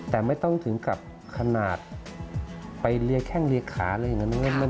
แต่ไม่ต้องถึงกับขนาดไปเรียแข้งเรียกขาอะไรอย่างนั้น